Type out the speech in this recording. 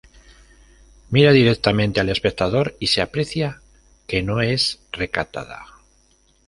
Mira directamente al espectador y se aprecia que no es recatada.